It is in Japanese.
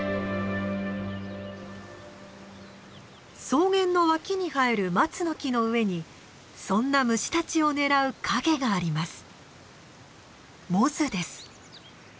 草原の脇に生えるマツの木の上にそんな虫たちを狙う影があります。